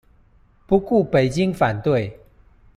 不顧北京反對